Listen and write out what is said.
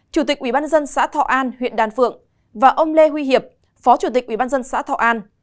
chủ tịch ubnd xã thọ an huyện đan phượng và ông lê huy hiệp phó chủ tịch ubnd xã thọ an